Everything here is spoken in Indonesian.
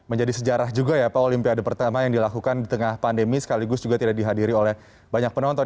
menjadi sejarah juga ya pak olimpiade pertama yang dilakukan di tengah pandemi sekaligus juga tidak dihadiri oleh banyak penonton